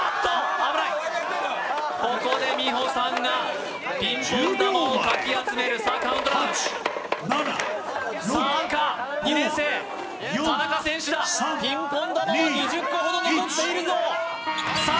危ないここで美穂さんがピンポン球をかき集めるさあカウントダウンさあアンカー２年生田中選手だピンポン球は２０個ほど残っているぞさあ